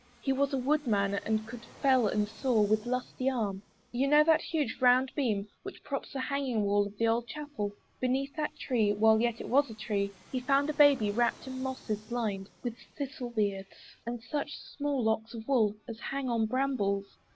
He was a woodman, and could fell and saw With lusty arm. You know that huge round beam Which props the hanging wall of the old chapel? Beneath that tree, while yet it was a tree He found a baby wrapt in mosses, lined With thistle beards, and such small locks of wool As hang on brambles.